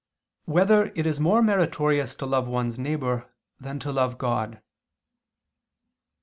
8] Whether It Is More Meritorious to Love One's Neighbor Than to Love God?